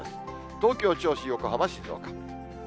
東京、銚子、横浜、静岡。